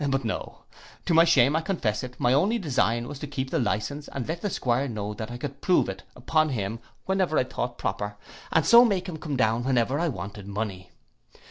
But no. To my shame I confess it, my only design was to keep the licence and let the 'Squire know that I could prove it upon him whenever I thought proper, and so make him come down whenever I wanted money.